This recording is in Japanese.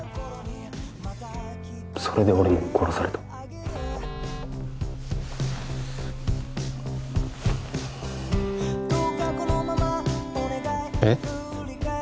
それで俺も殺されたえっ？